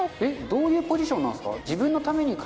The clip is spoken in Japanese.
どういうポジションなんすか？